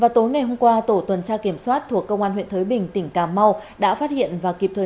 tối ngày hôm qua tổ tuần tra kiểm soát thuộc công an huyện thới bình tỉnh cà mau đã phát hiện và kịp thời